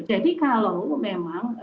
jadi kalau memang